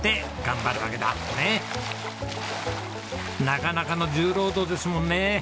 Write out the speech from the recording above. なかなかの重労働ですもんね。